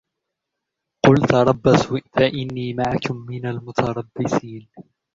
قُلْ تَرَبَّصُوا فَإِنِّي مَعَكُم مِّنَ الْمُتَرَبِّصِينَ